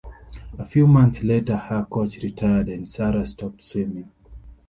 A few months later, her coach retired and Sara stopped swimming.